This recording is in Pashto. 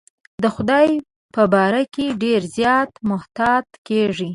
د خدای په باره کې ډېر زیات محتاط کېږي.